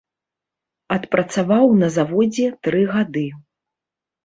Адпрацаваў на заводзе тры гады.